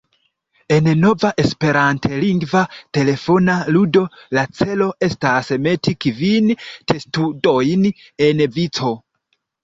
En nova esperantlingva telefona ludo la celo estas meti kvin testudojn en vico.